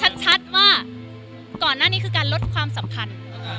ชัดว่าก่อนหน้านี้คือการลดความสัมพันธ์